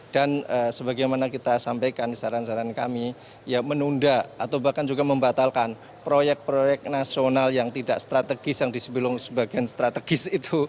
dan sebagaimana kita sampaikan saran saran kami ya menunda atau bahkan juga membatalkan proyek proyek nasional yang tidak strategis yang disebelung sebagian strategis itu